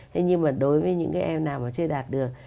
thế nhưng mà đối với những cái em nào mà chưa đạt được